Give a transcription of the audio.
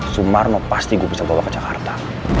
sumarno pasti gue bisa bawa ke jakarta